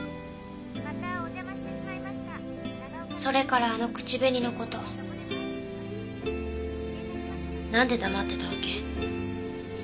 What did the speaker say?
それからあの口紅の事なんで黙ってたわけ？